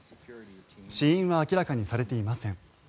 死因は明らかにされていません。